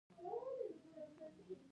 پیرودونکی د روښانه خبرو ارزښت درک کوي.